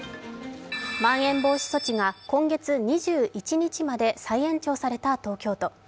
まん延防止措置が今月２１日まで再延長された東京都。